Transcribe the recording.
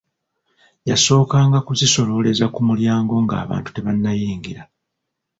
Yasookanga kuzisolooleza ku mulyango ng'abantu tebanayingira.